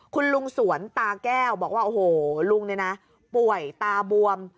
คุณลุงสวนตาแก้วบอกว่าโอ้โหลุงเนี่ยนะป่วยตาบวม